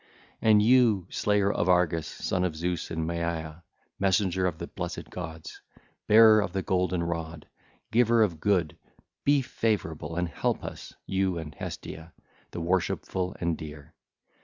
(ll. 7 10) 2533 And you, slayer of Argus, Son of Zeus and Maia, messenger of the blessed gods, bearer of the golden rod, giver of good, be favourable and help us, you and Hestia, the worshipful and dear.